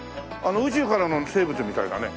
宇宙からの生物みたいだね。